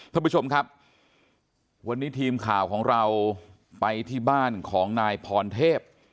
ท่านผู้ชมครับวันนี้ทีมข่าวของเราไปที่บ้านของนายพรเทพ